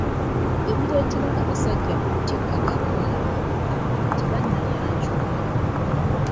Ebireeta abasajja okutikka abawala embuto nga tebannayanjulwa